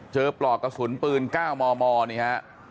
เจอปลอกกระสุนปืน๙มมเนี่ยครับ